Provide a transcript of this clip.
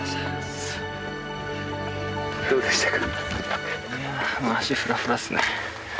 どうでしたか？